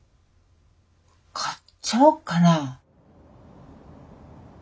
買っちゃおうかな。